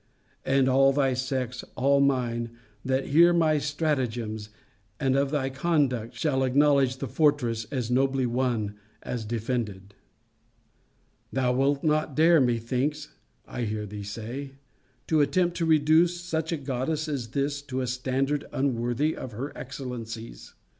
And all thy sex, and all mine, that hear of my stratagems, and of thy conduct, shall acknowledge the fortress as nobly won as defended. 'Thou wilt not dare, methinks I hear thee say, to attempt to reduce such a goddess as this, to a standard unworthy of her excellencies.